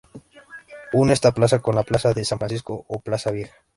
Une está plaza con la plaza de San Francisco o plaza Vieja.